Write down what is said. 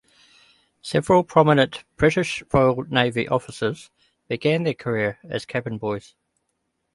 Several prominent British Royal Navy officers began their career as cabin boys.